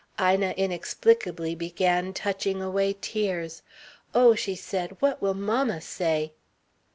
Ina inexplicably began touching away tears. "Oh," she said, "what will mamma say?"